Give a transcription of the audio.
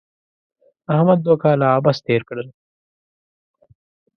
احمد دوه کاله عبث تېر کړل.